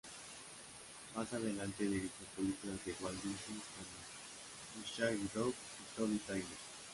Más adelante dirigió películas de Walt Disney como "The Shaggy Dog" y "Toby Tyler".